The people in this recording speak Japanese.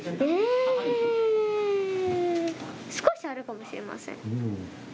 えー、少しあるかもしれません。